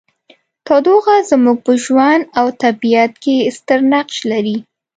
تودوخه زموږ په ژوند او طبیعت کې ستر نقش لري.